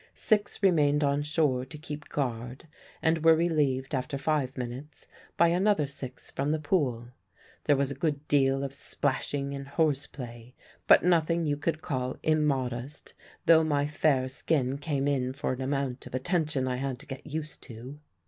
Six remained on shore to keep guard, and were relieved after five minutes by another six from the pool. There was a good deal of splashing and horse play, but nothing you could call immodest, though my fair skin came in for an amount of attention I had to get used to.